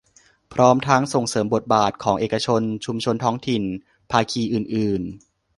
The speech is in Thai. พร้อมทั้งส่งเสริมบทบาทของเอกชน ชุมชนท้องถิ่น ภาคีอื่นอื่น